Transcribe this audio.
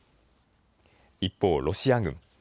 一方、ロシア軍。